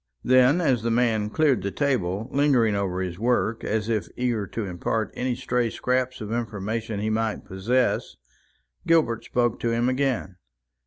Then, as the man cleared the table, lingering over his work, as if eager to impart any stray scraps of information he might possess, Gilbert spoke to him again.